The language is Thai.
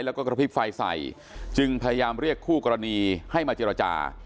แล้วก็กระพริบไฟใส่จึงพยายามเรียกคู่กรณีให้มาเจรจา